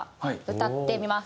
歌ってみます。